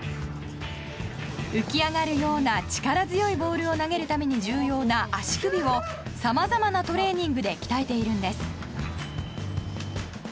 浮き上がるような力強いボールを投げるために重要な足首をさまざまなトレーニングで鍛えているんです。